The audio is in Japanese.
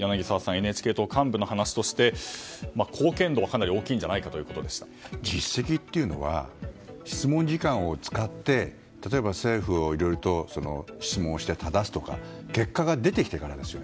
ＮＨＫ党の幹部の話として貢献度はかなり大きいんじゃないか実績っていうのは質問時間を使って例えばいろいろと質問してただすとか結果が出てきてからですよね。